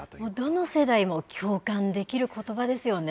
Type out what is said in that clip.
どの世代も共感できることばですよね。